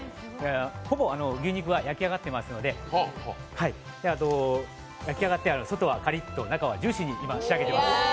ほぼ牛肉は焼き上がっていますので外はカリッと中はジューシーに仕上げています。